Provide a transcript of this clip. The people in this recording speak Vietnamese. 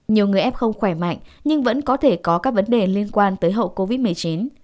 nhiều người f không khỏe mạnh nhưng vẫn có thể có các vấn đề liên quan tới hậu covid một mươi chín